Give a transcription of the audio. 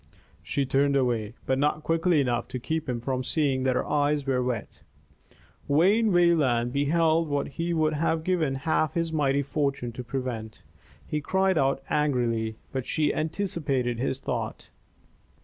She turned away, but not quickly enough to keep him from seeing that her eyes were wet. Wayne Wayland beheld what he would have given half his mighty fortune to prevent. He cried out angrily, but she anticipated his thought.